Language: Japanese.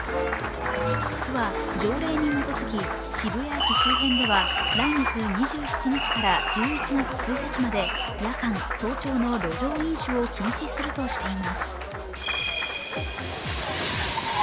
区は条例に基づき、渋谷駅周辺では来月２７日から１１月１日まで、夜間、早朝の路上飲酒を禁止するとしています。